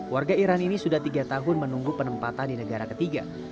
warga iran ini sudah tiga tahun menunggu penempatan di negara ketiga